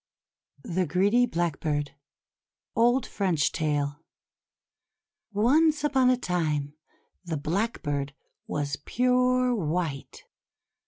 THE GREEDY BLACKBIRD Old French Tale ONCE upon a time, the Blackbird was pure white.